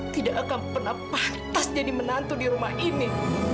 tidak akan pernah pantas jadi menantu di rumah ini